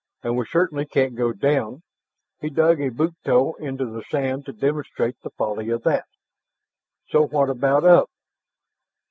"And we certainly can't go down." He dug a boot toe into the sand to demonstrate the folly of that. "So, what about up?"